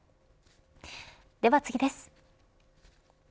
では次です。